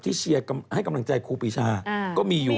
เชียร์ให้กำลังใจครูปีชาก็มีอยู่